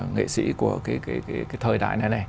nghệ sĩ của thời đại này này